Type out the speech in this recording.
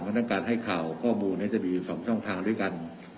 ทั้งกันให้ข่าวข้อมูลนี่จะมี๒ช่องทางด้วยกัน